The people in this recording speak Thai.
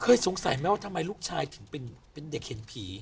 สงสัยไหมว่าทำไมลูกชายถึงเป็นเด็กเห็นผี